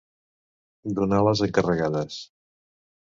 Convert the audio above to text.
Donar les encarregades.